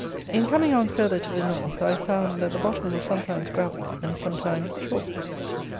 In coming on further to the North, I found, that the bottom was sometimes gravel and sometime chalk.